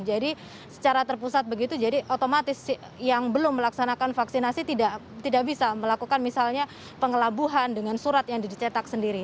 jadi secara terpusat begitu jadi otomatis yang belum melaksanakan vaksinasi tidak bisa melakukan misalnya pengelabuhan dengan surat yang dicetak sendiri